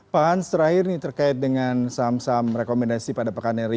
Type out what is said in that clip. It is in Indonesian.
pak hans terakhir ini terkait dengan saham saham rekomendasi pada pekan ini